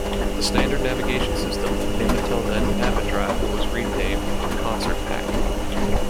The standard navigation system, named until then "NaviDrive", was renamed "Concert Pack".